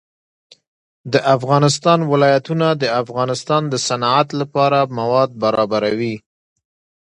د افغانستان ولايتونه د افغانستان د صنعت لپاره مواد برابروي.